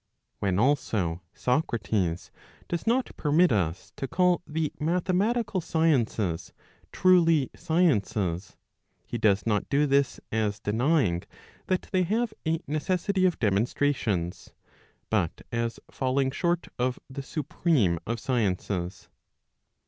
When also Socrates does not permit us to call the mathematical sciences [truly] sciences, he does not do this as denying that they have a necessity of demonstrations, but as falling short of the supreme of sciences.